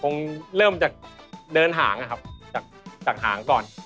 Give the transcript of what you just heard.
คงเริ่มจากเดินหางนะครับจากหางก่อน